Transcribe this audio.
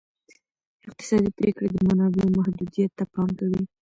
اقتصادي پریکړې د منابعو محدودیت ته پام کوي.